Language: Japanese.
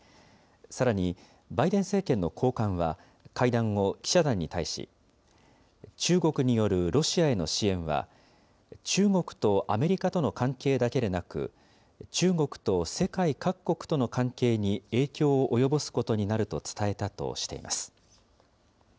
さらにバイデン政権の高官は会談後、記者団に対し、中国によるロシアへの支援は、中国とアメリカとの関係だけでなく、中国と世界各国との関係に影響を及ぼすことになると伝えたとしています。